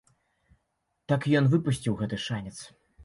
Так ён выпусціў гэты шанец.